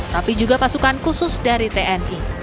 tapi juga pasukan khusus dari tni